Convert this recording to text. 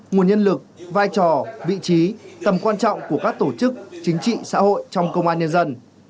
nguồn nhân lực vai trò vị trí tầm quan trọng của các tổ chức chính trị xã hội trong công an nhân dân